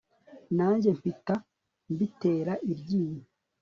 nanjye mpita mbitera iryinyo